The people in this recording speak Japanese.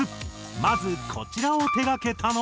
まずこちらを手がけたのは。